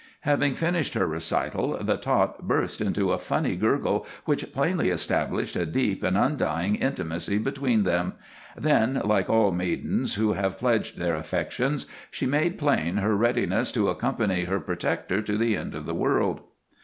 Having finished her recital the tot burst into a funny gurgle which plainly established a deep and undying intimacy between them, then, like all maidens who have pledged their affections, she made plain her readiness to accompany her protector to the end of the world.